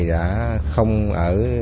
đã không ở